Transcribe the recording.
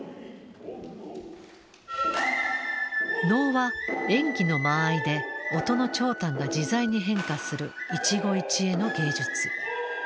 能は演技の間合いで音の長短が自在に変化する一期一会の芸術。